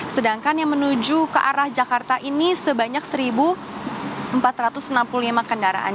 sedangkan yang menuju ke arah jakarta ini sebanyak satu empat ratus enam puluh lima kendaraan